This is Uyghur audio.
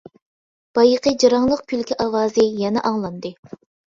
بايىقى جاراڭلىق كۈلكە ئاۋازى يەنە ئاڭلاندى.